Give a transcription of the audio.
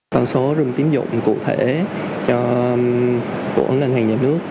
toàn số rung tính dụng cụ thể của ngân hàng nhà nước